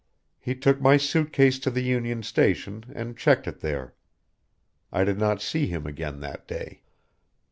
He took my suit case to the Union Station and checked it there. I did not see him again that day."